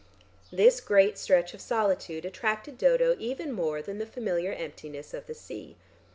This great stretch of solitude attracted Dodo more even than the familiar emptiness of the sea.